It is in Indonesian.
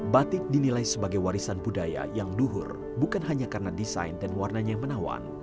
batik dinilai sebagai warisan budaya yang luhur bukan hanya karena desain dan warnanya yang menawan